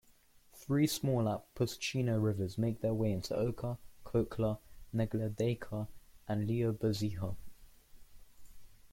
Three small at Pushchino rivers make their way into Oka: Khokhla, Neglyadeyka and Lyubozhiha.